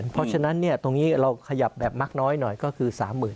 เพราะฉะนั้นตรงนี้เราขยับแบบมักน้อยหน่อยก็คือ๓๐๐๐